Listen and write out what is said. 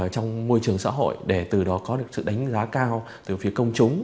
trong môi trường xã hội để từ đó có được sự đánh giá cao từ phía công chúng